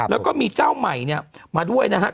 แล้วก็มีเจ้าใหม่เนี่ยมาด้วยนะครับ